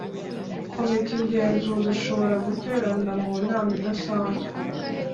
Komite Ngenzuzi ishobora guterana mu nama idasanzwe